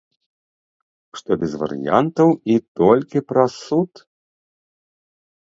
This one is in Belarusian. Што без варыянтаў і толькі праз суд?